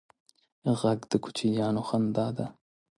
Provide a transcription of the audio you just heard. غږ د کوچنیانو خندا ده